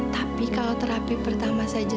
tapi kalau terapi pertama saja